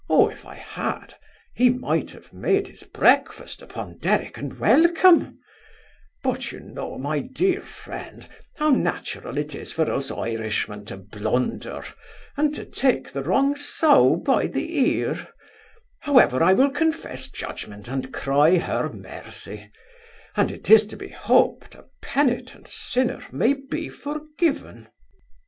if I had, he might have made his breakfast upon Derrick and welcome But you know, my dear friend, how natural it is for us Irishmen to blunder, and to take the wrong sow by the ear However, I will confess judgment, and cry her mercy; and it is to be hoped, a penitent sinner may be forgiven.